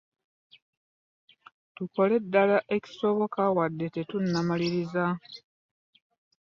Tukolera ddala ekisoboka wadde tetunnamaliriza.